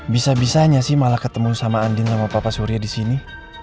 bisa bisanya sih malah ketemu sama andin sama papa surya di sini